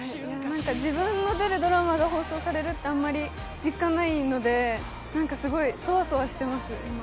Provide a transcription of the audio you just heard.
自分の出るドラマが放送されるって、あまり実感がないのですごいソワソワしています、今。